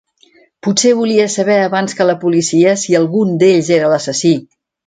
Potser volia saber abans que la policia si algun d'ells era l'assassí.